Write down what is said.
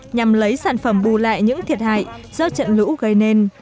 nhằm lấy sản phẩm bù lại những thiệt hại do trận lũ gây nên